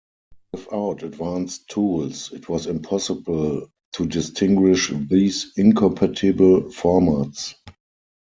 Without advanced tools, it was impossible to distinguish these incompatible formats.